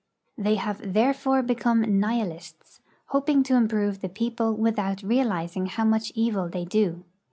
They have therefore become nihilists, hoping to improve the people with out realizing how much evil they do.